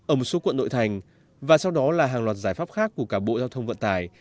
ở một số quận nội thành và sau đó là hàng loạt giải pháp khác của cả bộ giao thông vận tải